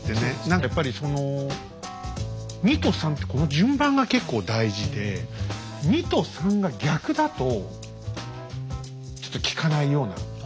何かやっぱりその２と３ってこの順番が結構大事で２と３が逆だとちょっと効かないような。